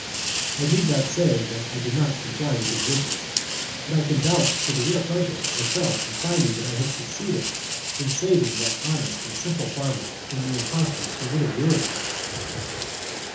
I need not say that I did not comply with his wishes, but I can vouch for the real pleasure I felt in finding that I had succeeded in saving that honest and simple farmer from the impostors who would have ruined him.